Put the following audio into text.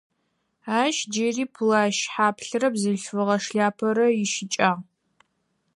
Ащ джыри плащ хьаплърэ бзылъфыгъэ шляпэрэ ищыкӏагъ.